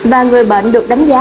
và người bệnh được đánh giá